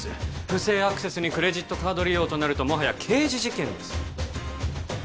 不正アクセスにクレジットカード利用となるともはや刑事事件です